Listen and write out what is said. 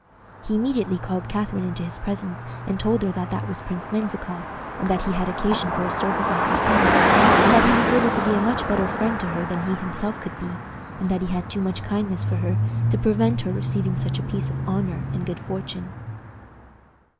He immediately called Catharine into his presence, and told her that that was Prince Menzikoff, and that he had occasion for a servant like herself, and that he was able to be a much better friend to her than he himself could be, and that he had too much kindness for her to prevent her receiving such a piece of honor and good fortune.